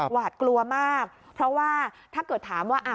หวาดกลัวมากเพราะว่าถ้าเกิดถามว่า